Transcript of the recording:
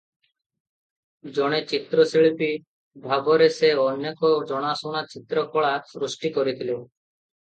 ଜଣେ ଚିତ୍ରଶିଳ୍ପୀ ଭାବରେ ସେ ଅନେକ ଜଣାଶୁଣା ଚିତ୍ରକଳା ସୃଷ୍ଟି କରିଥିଲେ ।